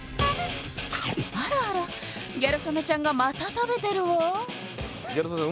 あらあらギャル曽根ちゃんがまた食べてるわギャル曽根さん